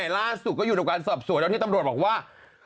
ล่าสุดก็อยู่ตรงการสอบสวนแล้วที่ตำรวจบอกว่า